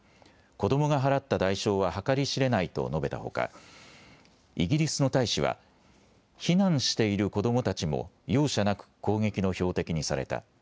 子どもが払った代償は計り知れないと述べたほかイギリスの大使は避難している子どもたちも容赦なく攻撃の標的にされた。